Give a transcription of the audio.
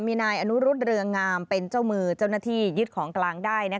มีนายอนุรุษเรืองามเป็นเจ้ามือเจ้าหน้าที่ยึดของกลางได้